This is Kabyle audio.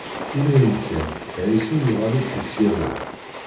Imiren kan, Ɛisu yuɣal-d si ṣṣyada.